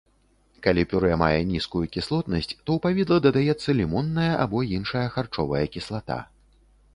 Калі пюрэ мае нізкую кіслотнасць, то ў павідла дадаецца лімонная або іншая харчовая кіслата.